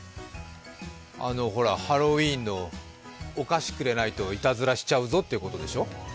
あのほら、ハロウィーンのお菓子くれないといたずらしちゃうぞってことでしょ。